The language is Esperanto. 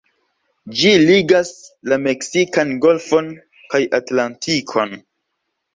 Ĝi ligas la Meksikan Golfon kaj Atlantikon.